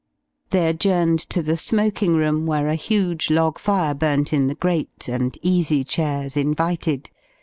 They adjourned to the smoking room, where a huge log fire burnt in the grate, and easy chairs invited.